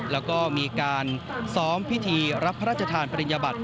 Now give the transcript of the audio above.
แล้วก็มีการซ้อมพิธีรับพระราชทานปริญญบัติ